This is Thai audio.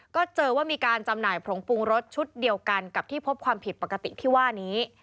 ก็เจอว่ามีการจำหน่ายผงปรุงรสชุดเดียวกันกับที่พบความผิดปกติที่ว่านี้